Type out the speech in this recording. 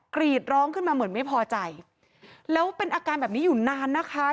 กรีดร้องขึ้นมาเหมือนไม่พอใจแล้วเป็นอาการแบบนี้อยู่นานนะคะ